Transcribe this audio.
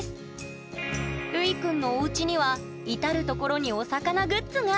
るいくんのおうちには至る所にお魚グッズが！